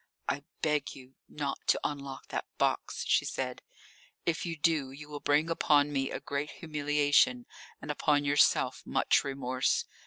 "I beg you not to unlock that box," she said; "if you do you will bring upon me a great humiliation and upon yourself much remorse.